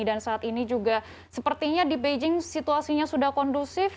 dan saat ini juga sepertinya di beijing situasinya sudah kondusif